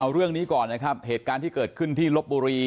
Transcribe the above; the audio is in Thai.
เอาเรื่องนี้ก่อนนะครับเหตุการณ์ที่เกิดขึ้นที่ลบบุรี